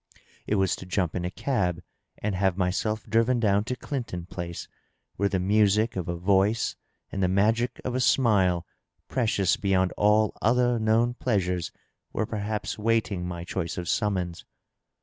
It was to jump in a cab and have myself driven down to Clinton Place, where the music of a voice and the magic of a smile precious beyond all other known pleasures were perhaps waiting my choice of summons.